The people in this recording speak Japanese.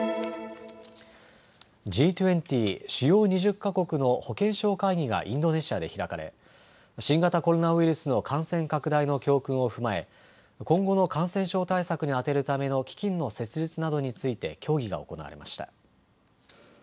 Ｇ２０・主要２０か国の保健相会議がインドネシアで開かれ新型コロナウイルスの感染拡大の教訓を踏まえ今後の感染症対策に充てるための基金の設立などについて協議が行われました。